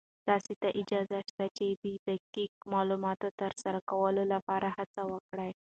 تاسې ته اجازه شته چې د دقيق معلوماتو تر سره کولو لپاره هڅې وکړئ.